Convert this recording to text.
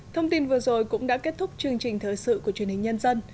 thông tin vừa rồi cũng đã kết thúc chương trình thời sự của truyền hình nhân dân